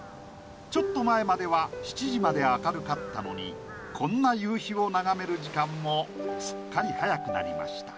ちょっと前までは７時まで明るかったのにこんな夕日を眺める時間もすっかり早くなりました。